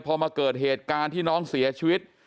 พอมาเกิดเหตุการณ์ที่น้องเสียชีวิต